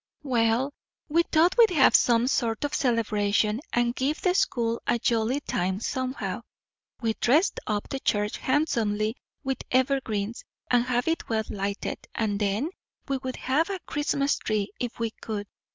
"Well, we thought we'd have some sort of celebration, and give the school a jolly time somehow. We'd dress up the church handsomely with evergreens; and have it well lighted; and then, we would have a Christmas tree if we could.